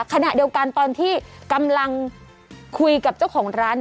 ขณะเดียวกันตอนที่กำลังคุยกับเจ้าของร้าน